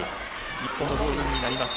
日本ボールになります。